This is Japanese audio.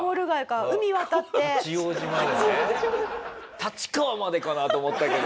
立川までかなと思ったけど。